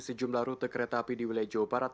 sejumlah rute kereta api di wilayah jawa barat